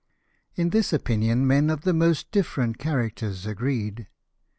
In this opinion men of the most dif ferent characters agreed.